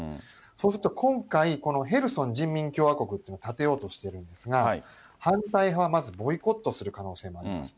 そうすると今回、このヘルソン人民共和国という、立てようとしてるんですが、反対派はまずボイコットする可能性もあります。